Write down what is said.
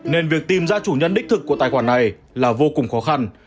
nên việc tìm ra chủ nhân đích thực của tài khoản này là vô cùng khó khăn